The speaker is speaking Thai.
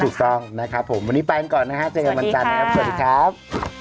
ถูกต้องนะครับวันนี้ไปก่อนนะครับเจอกันบรรจานะครับสวัสดีครับ